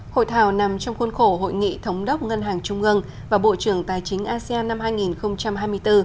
hội thảo nằm trong khuôn khổ hội nghị thống đốc ngân hàng trung ương và bộ trưởng tài chính asean năm hai nghìn hai mươi bốn